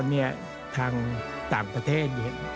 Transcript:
ทางอิทธิ์กรรมใต้น้ำต่างประเทศ